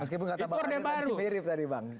meskipun kata bang arief tadi bang